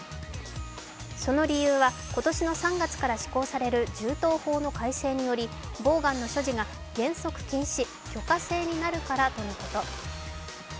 その理由は今年の３月から改正される銃刀法の改正によりボーガンの所持が原則禁止・許可制になるからとのこと。